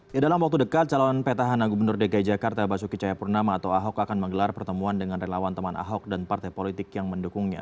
ya dalam waktu dekat calon petahana gubernur dki jakarta basuki cahayapurnama atau ahok akan menggelar pertemuan dengan relawan teman ahok dan partai politik yang mendukungnya